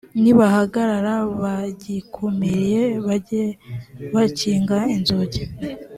nibahagarara bagikumiriye bajye bakinga inzugi